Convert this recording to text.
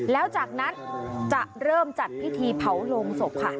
แล้วจากนั้นจะเริ่มจัดพิธีเผาลงศพค่ะ